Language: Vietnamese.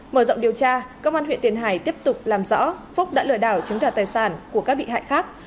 mở rộng điều tra công an huyện tiền hải tiếp tục làm rõ phúc đã lừa đảo chiếm đoạt tài sản của các bị hại khác